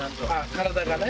体がね。